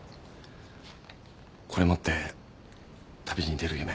これ持って旅に出る夢。